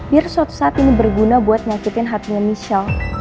biar suatu saat ini berguna buat nyakitin hatinya michelle